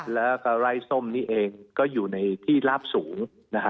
แล้วก็ไล่ส้มนี้เองก็อยู่ในที่ลาบสูง